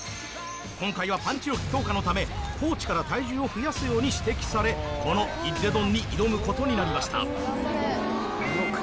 今回はパンチ力強化のためコーチから体重を増やすように指摘されこのひっで丼に挑むことになりました。